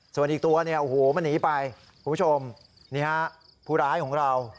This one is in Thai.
ส่วนอีกตัวเนี่ยโอ้โหมันหนีไปคุณผู้ชมนี่ฮะผู้ร้ายของเรา